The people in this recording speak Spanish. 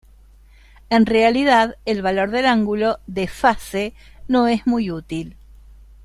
En realidad, el valor del ángulo de fase no es muy útil.